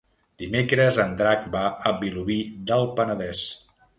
Dimecres en Drac va a Vilobí del Penedès.